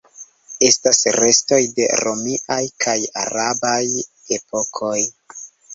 Estas restoj de romiaj kaj arabaj epokoj.